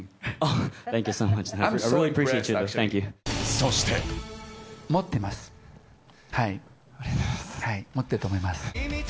そして持ってると思います。